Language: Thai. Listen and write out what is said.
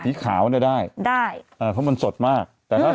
ถ้าเป็นสีขาวได้